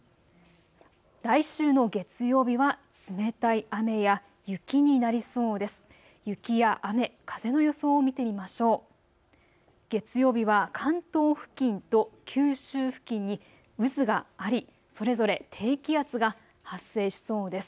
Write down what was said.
来週の月曜日は冷たい雨や雪になりそうです。